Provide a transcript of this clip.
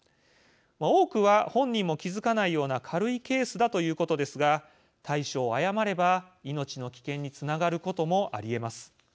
多くは本人も気付かないような軽いケースだということですが対処を誤れば、命の危険につながることもありえます。